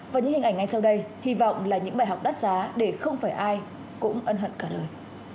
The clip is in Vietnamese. và những hình ảnh ngay sau đây hy vọng là những bài học đắt giá để không phải ai cũng ân hận cả lời